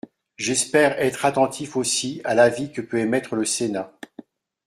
J’espère être attentif aussi à l’avis que peut émettre le Sénat.